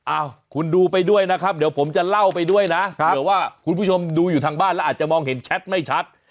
อ้าวคุณดูไปด้วยนะครับเดี๋ยวผมจะเล่าไปด้วยนะเผื่อว่าคุณผู้ชมดูอยู่ทางบ้านแล้วอาจจะมองเห็นแชทไม่ชัด